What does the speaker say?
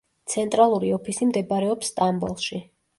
ცენტრალური ოფისი მდებარეობს სტამბოლში.